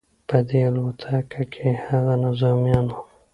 په دې الوتکه کې هغه نظامیان وو